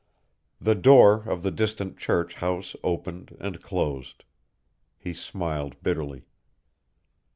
The door of the distant church house opened and closed. He smiled bitterly.